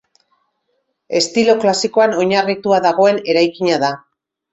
Estilo klasikoan oinarritua dagoen eraikina da.